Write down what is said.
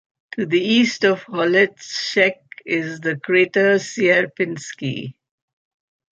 To the east of Holetschek is the crater Sierpinski.